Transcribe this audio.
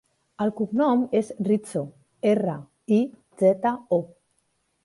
El cognom és Rizo: erra, i, zeta, o.